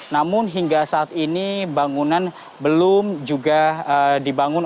namun hingga saat ini bangunan belum juga dibangun